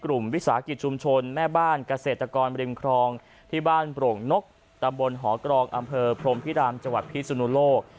วิสาหกิจชุมชนแม่บ้านเกษตรกรบริมครองที่บ้านโปร่งนกตำบลหอกรองอำเภอพรมพิรามจังหวัดพิสุนุโลก